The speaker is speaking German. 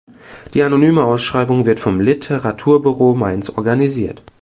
Die anonyme Ausschreibung wird vom LiteraturBüro Mainz organisiert.